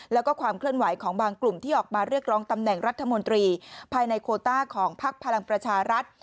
แล้วก็ความเคลื่อนไหวของบางกลุ่มที่ออกมาเรียกร้องตำแหน่งรัฐมนตรีภายในโคต้าของพักพลังประชารัฐ